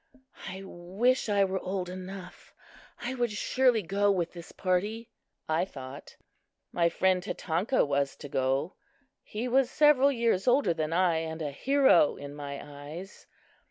"I wish I were old enough; I would surely go with this party," I thought. My friend Tatanka was to go. He was several years older than I, and a hero in my eyes.